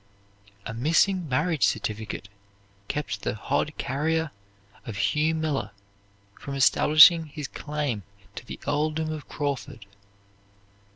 A missing marriage certificate kept the hod carrier of Hugh Miller from establishing his claim to the Earldom of Crawford.